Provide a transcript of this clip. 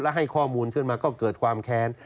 และให้ข้อมูลขึ้นมาก็เกิดความแค้น